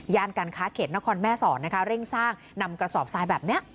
การค้าเขตนครแม่สอนนะคะเร่งสร้างนำกระสอบทรายแบบนี้